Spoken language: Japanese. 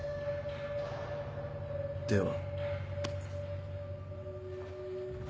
では。